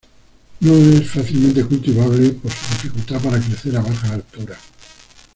No es fácilmente cultivable por su dificultad para crecer a bajas alturas.